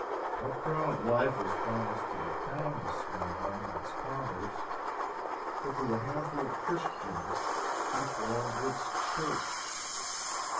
No crown of life is promised to the town of Smyrna and its commerce, but to the handful of Christians who formed its "church."